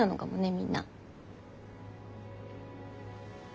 みんな。